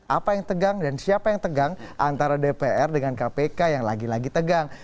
apa yang tegang dan siapa yang tegang antara dpr dengan kpk yang lagi lagi tegang